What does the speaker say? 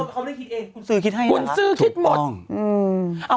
เขาไม่คิดเองคุณซื้อคิดไห้เหรอ